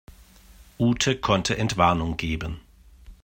Ute konnte Entwarnung geben.